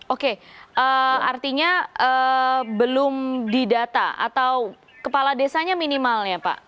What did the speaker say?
oke artinya belum didata atau kepala desanya minimalnya pak